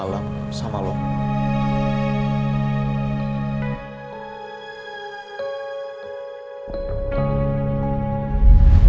jawaban kata sepertanyaan gue semalam